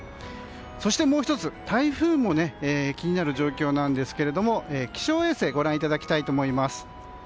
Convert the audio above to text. そして、もう１つ台風も気になる状況なんですけど気象衛星ご覧いただきたいと思います。